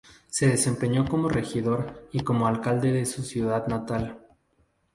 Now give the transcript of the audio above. Se desempeñó como regidor y como alcalde de su ciudad natal.